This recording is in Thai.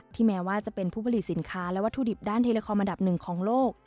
แม้ว่าจะเป็นผู้ผลิตสินค้าและวัตถุดิบด้านเทเลคอมอันดับหนึ่งของโลก